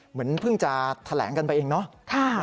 เหมือนเพิ่งจะแถลงกันไปเองเนาะ